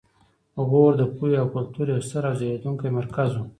غور د پوهې او کلتور یو ستر او ځلیدونکی مرکز و